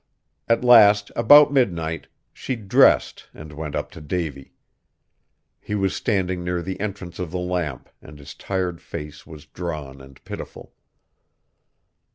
At last, about midnight, she dressed and went up to Davy. He was standing near the entrance of the lamp, and his tired face was drawn and pitiful.